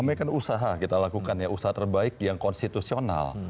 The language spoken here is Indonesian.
ini kan usaha kita lakukan ya usaha terbaik yang konstitusional